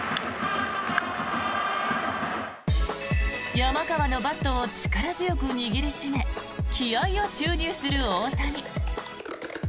山川のバットを力強く握り締め気合を注入する大谷。